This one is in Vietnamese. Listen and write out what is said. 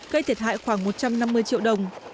gây thiệt hại khoảng một trăm năm mươi triệu đồng